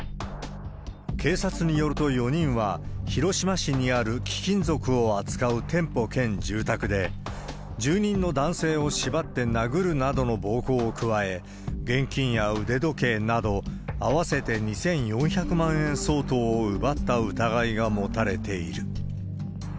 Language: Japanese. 警察によると４人は、広島市にある貴金属を扱う店舗兼住宅で、住人の男性を縛って殴るなどの暴行を加え、現金や腕時計など合わせて２４００万円相当を奪った疑いが持たれている。